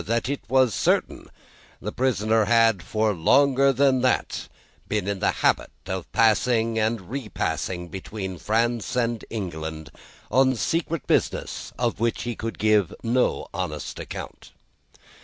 That, it was certain the prisoner had, for longer than that, been in the habit of passing and repassing between France and England, on secret business of which he could give no honest account.